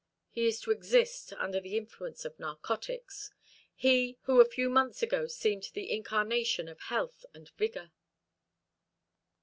He is to exist under the influence of narcotics; he who a few months ago seemed the incarnation of health and vigour."